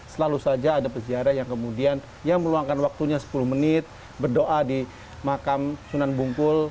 selalu saja ada peziarah yang kemudian yang meluangkan waktunya sepuluh menit berdoa di makam sunan bungkul